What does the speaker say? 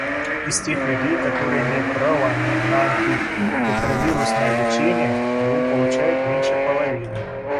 Из тех людей, которые имеют право на антиретровирусное лечение, его получают меньше половины.